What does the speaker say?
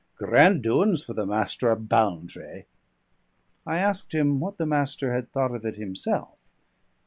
Grand doin's for the Master o' Ball'ntrae!" I asked him what the Master had thought of it himself.